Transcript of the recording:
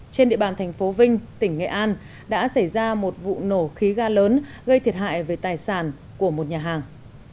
trên địa bàn thành phố vinh tỉnh nghệ an đã xảy ra một vụ nổ khí ga lớn gây thiệt hại về tài sản của một nhà hàng